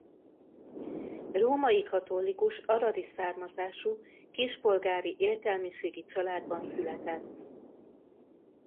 Római katolikus aradi származású kispolgári értelmiségi családban született.